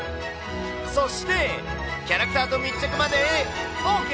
そしてキャラクターと密着までＯＫ。